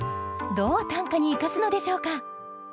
どう短歌に生かすのでしょうか？